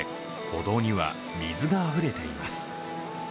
歩道には水があふれています。